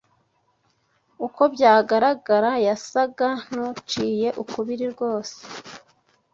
Uko byagaragaraga yasaga n’uciye ukubiri rwose